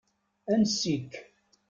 Ansi-k?